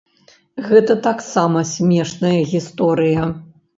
Гэта таксама смешная гісторыя.